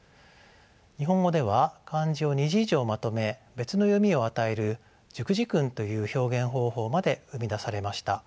日本語では漢字を２字以上まとめ別の読みを与える熟字訓という表現方法まで生み出されました。